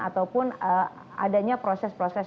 ataupun adanya proses proses